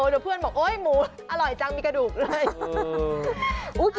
เดี๋ยวเพื่อนบอกโอ๊ยหมูอร่อยจังมีกระดูกด้วย